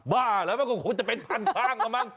บ้าละมันคงจะเป็นพันข้างละบัง